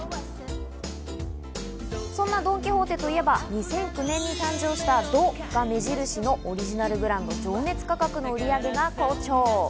そんなドン・キホーテといえば、２００９年に誕生した「ド」が目印のオリジナルブランド情熱価格の売り上げが好調。